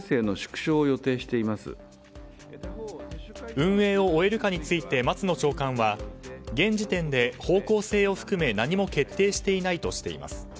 運営を終えるかについて松野長官は現時点で、方向性を含め何も決定していないとしています。